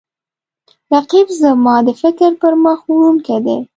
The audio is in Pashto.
رقیب زما د فکر پرمخ وړونکی دی